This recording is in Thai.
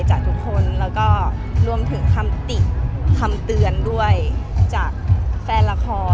จากทุกคนแล้วก็รวมถึงคำติคำเตือนด้วยจากแฟนละคร